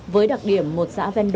với đặc điểm một xã vendo